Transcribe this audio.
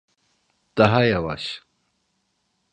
Daha yavaş.